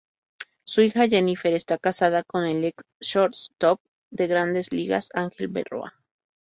Su hija, Jennifer, está casada con el ex shortstop de Grandes Ligas, Ángel Berroa.